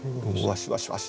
ワシワシワシ。